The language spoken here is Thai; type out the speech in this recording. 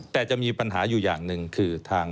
แต่จะมีปัญหาอยู่อย่างหนึ่งคือทาง